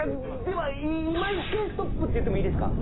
では今１回「ストップ」って言ってもいいですか？